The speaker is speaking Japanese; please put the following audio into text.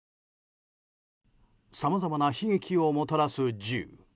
さまざまな悲劇をもたらす銃。